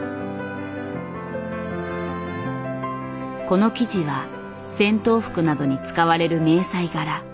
この生地は戦闘服などに使われる迷彩柄。